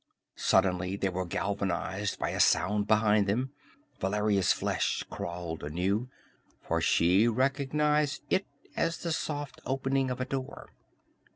Suddenly they were galvanized by a sound behind them. Valeria's flesh crawled anew, for she recognized it as the soft opening of a door.